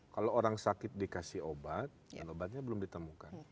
kalau orang sakit dikasih obat dan obatnya belum ditemukan